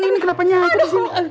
ini kenapa nyangkut disini